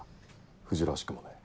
藤らしくもねえ。